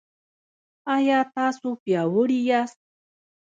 ایا تاسو پیاوړي یاست؟